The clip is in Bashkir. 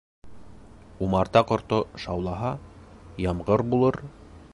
Умарта ҡорто шаулаһа, ямғыр булыр.